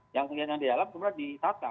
yang kemudian yang di dalam kemudian ditata